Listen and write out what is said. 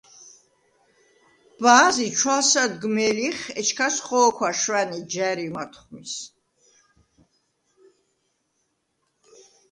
ბა̄ზი ჩვალსადგვმე̄ლიხ, ეჩქას ხო̄ქვა შვანე ჯა̈რი მათხვმის: